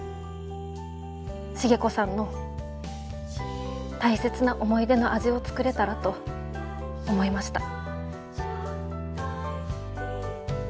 重子さんの大切な思い出の味を作れたらと思いました。